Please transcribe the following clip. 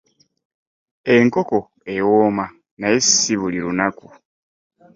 Enkoko ewooma naye si buli lunaku.